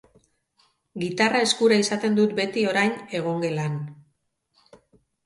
Gitarra eskura izaten dut beti orain, egongelan.